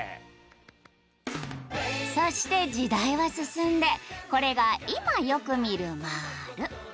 そして時代は進んでこれが今よく見る「丸」。